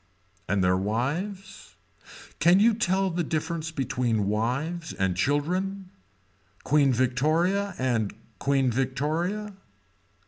And their wives. Can you tell the difference between wives and children. Queen Victoria and Queen Victoria.